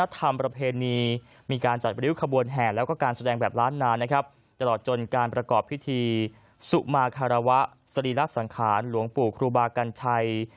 เกดำพิวว่าสรีระสังขารหลวงปู่ครูบากัญชัย